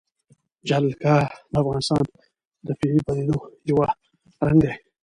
جلګه د افغانستان د طبیعي پدیدو یو رنګ دی.